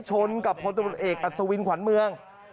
ชนกับพลตำรวจเอกอัศวินขวัญเมือง